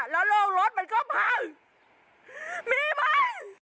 แล้วโรงรถมันก็พังมีมั้ย